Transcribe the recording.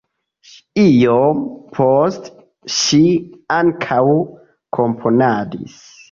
Iom poste ŝi ankaŭ komponadis.